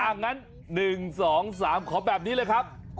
งั้น๑๒๓ขอแบบนี้เลยครับ